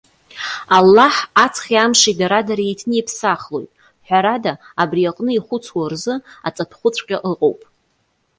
Аллаҳ, аҵхи амши дара-дара иеиҭниԥсахлоит, ҳәарада, абри аҟны ихәыцуа рзы аҵатәхәыҵәҟьа ыҟоуп.